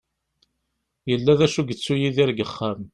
Yella d acu i yettu Yidir deg wexxam.